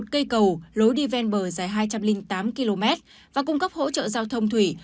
một cây cầu lối đi ven bờ dài hai trăm linh tám km và cung cấp hỗ trợ giao thông thủy